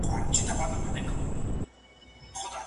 هغه واکمن پخوا خپل قدرت نه و هضم کړی او ډېر ظلمونه یې وکړل.